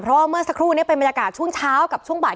เพราะว่าเมื่อสักครู่นี้เป็นบรรยากาศช่วงเช้ากับช่วงบ่าย